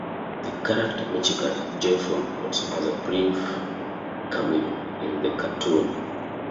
The character Michigan J. Frog also has a brief cameo in the cartoon.